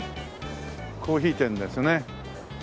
コーヒー店ですね。